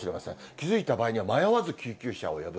気付いた場合には迷わず救急車を呼ぶ。